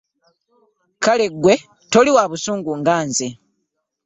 Kale gwe toli wa busungu nga nze.